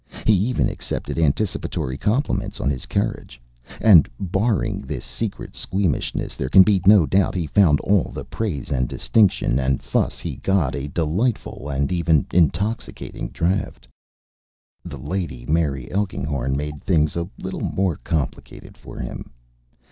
He even accepted anticipatory compliments on his courage. And, barring this secret squeamishness, there can be no doubt he found all the praise and distinction and fuss he got a delightful and even intoxicating draught. The Lady Mary Elkinghorn made things a little more complicated for him.